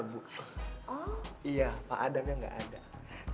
kamu yakin pak adam dari dalam